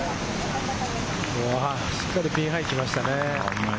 しっかりピンハイにきましたね。